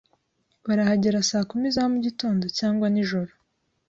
Barahagera saa kumi za mugitondo cyangwa nijoro?